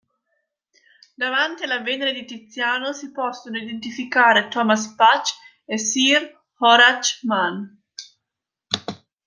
Davanti alla Venere di Tiziano si possono identificare Thomas Patch e sir Horace Mann.